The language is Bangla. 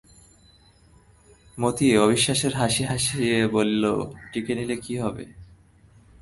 মতি অবিশ্বাসের হাসি হাসিয়া বলিল, টিকে নিলে কী হবে?